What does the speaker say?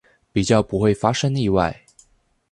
比較不會發生意外